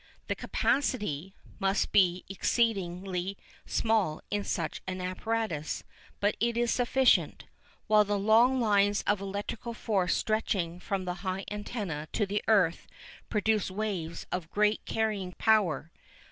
The "capacity" must be exceedingly small in such an apparatus, but it is sufficient; while the long lines of electrical force stretching from the high antenna to the earth produce waves of great carrying power.